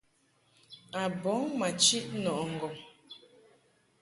A bɔŋ ma chiʼ nɔʼɨ ŋgɔŋ.